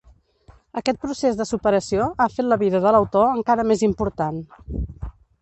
Aquest procés de superació ha fet la vida de l'autor encara més important.